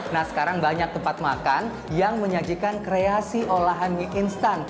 nah sekarang banyak tempat makan yang menyajikan kreasi olahan mie instan